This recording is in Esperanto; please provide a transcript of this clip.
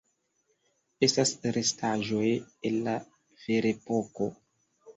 Estas restaĵoj el la Ferepoko.